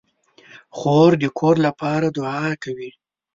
خور د کور لپاره دعا کوي.